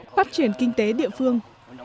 phát triển kinh tế địa phương